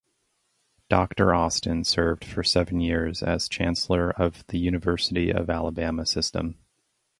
Doctor Austin served for seven years as Chancellor of The University of Alabama System.